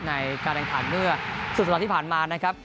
ในการแข่งขันเมื่อสุดสัปดาห์ที่ผ่านมานะครับ